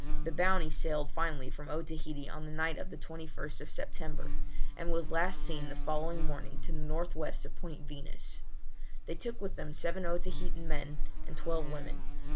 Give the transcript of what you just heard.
The Bounty sailed finally from Otaheite on the night of the 21st September, and was last seen the following morning to the north west of Point Venus. They took with them seven Otaheitan men and twelve women.